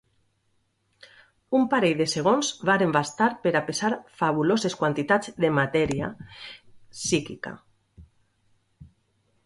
Un parell de segons varen bastar per a pesar fabuloses quantitats de matèria psíquica...